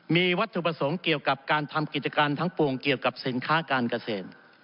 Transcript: มีวัตถุประสงค์เกี่ยวกับการทำกิจการทั้งปวงเกี่ยวกับสินค้าการเกษตร